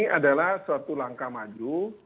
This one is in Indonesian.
ini adalah suatu langkah maju